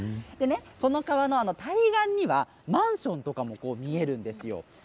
この川の対岸にはマンションとかも見えるんですよ。